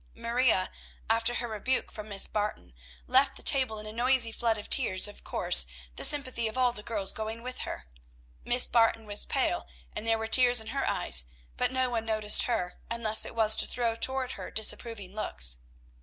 Maria, after her rebuke from Miss Barton, left the table in a noisy flood of tears, of course the sympathy of all the girls going with her. Miss Barton was pale, and there were tears in her eyes; but no one noticed her, unless it was to throw toward her disapproving looks.